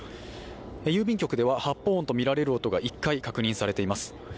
郵便局では発砲音とみられる音が１回確認されています。